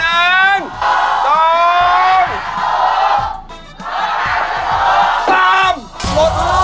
อ้าว